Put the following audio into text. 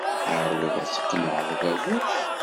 Teɛreḍ ad tqenneɛ baba-s.